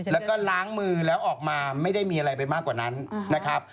แล้วก็ล้างมือแล้วออกมาไม่ได้มีอะไรไปมากกว่านั้นนะครับ